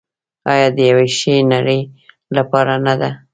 آیا د یوې ښې نړۍ لپاره نه ده؟